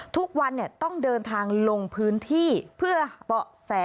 ทุกวันต้องเดินทางลงพื้นที่เพื่อเบาะแส